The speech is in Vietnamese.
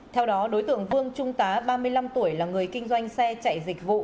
theo đó đối tượng vương trung tá ba mươi năm tuổi là người kinh doanh xe chạy dịch vụ